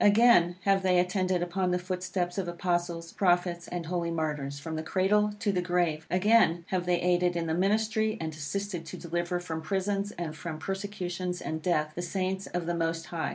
Again have they attended upon the footsteps of Apostles, Prophets, and holy Martyrs, from the cradle to the grave. Again have they aided in the ministry, and assisted to deliver from prisons, and from persecutions and death, the Saints of the Most High.